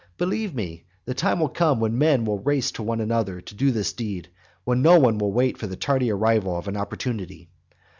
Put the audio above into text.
Believe me, the time will come when men will race with one another to do this deed, and when no one will wait for the tardy arrival of an opportunity.